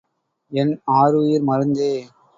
என் ஆருயிர் மருந்தே!